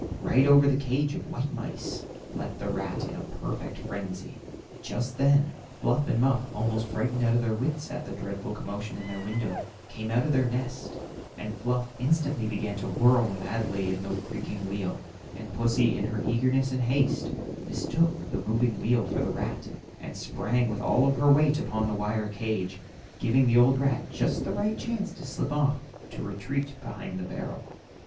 Right over the cage of white mice leaped the rat in a perfect frenzy. Just then Fluff and Muff, almost frightened out of their wits at the dreadful commotion in their window, came out of their nest, and Fluff instantly began to whirl madly about in the creaking wheel, and pussy in her eagerness and haste mistook the moving wheel for the rat, and sprang with all her weight upon the wire cage, giving the old rat just the right chance to slip off to his retreat behind the barrel.